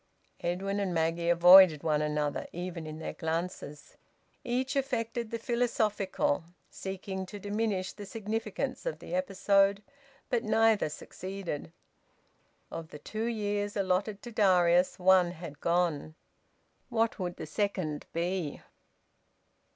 Edwin and Maggie avoided one another, even in their glances. Each affected the philosophical, seeking to diminish the significance of the episode. But neither succeeded. Of the two years allotted to Darius, one had gone. What would the second be?